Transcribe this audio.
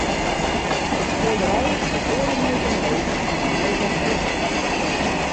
It skilderij is oardel meter breed en in meter heech.